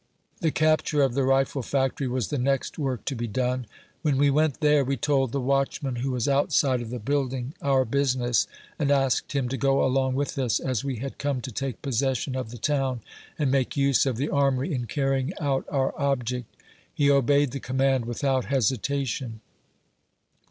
The capture of the rifle factory was the next work to be done. When we went there, we told the watchman who was outside of the building our business, and asked him to go along with us, as we had come to take possession of the town, and make use of the Armory in carrying out our object. He obeyed the command without hesitation.